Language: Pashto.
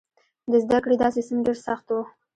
د زده کړې دا سیستم ډېر سخت و.